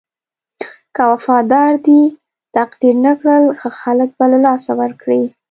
که وفادار دې تقدير نه کړل ښه خلک به له لاسه ورکړې.